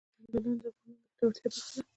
چنګلونه د افغانانو د ګټورتیا برخه ده.